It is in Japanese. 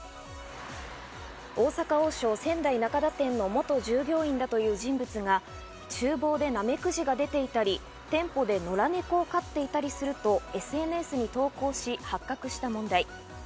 大阪王将・仙台中田店の元従業員だという人物が厨房でナメクジが出ていたり、店舗で野良猫を飼っていたりするとＳＮＳに投稿し、発覚した問題。